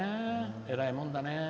えらいもんだね。